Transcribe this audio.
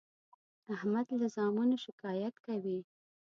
احمد له زامنو شکایت کوي.